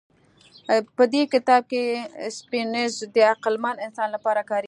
په دې کتاب کې سیپینز د عقلمن انسان لپاره کارېږي.